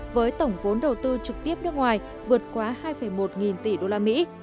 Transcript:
với tổng vốn đầu tư trực tiếp nước ngoài vượt quá hai một nghìn tỷ đô la mỹ